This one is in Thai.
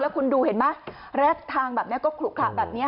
คุณดูเห็นไหมแรดทางแบบนี้ก็ขลุขระแบบนี้